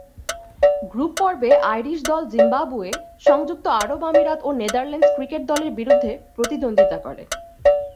গ্রুপ-পর্বে Irish দল Zimbabwe, সংযুক্ত আরব আমিরাত ও নেদারল্যান্ডস ক্রিকেট দলের বিরুদ্ধে প্রতিদ্বন্দ্বিতা করে।